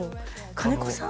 金子さん？